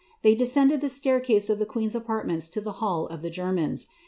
They descended the staircase of the queen^s apartments to the hall of the Germans.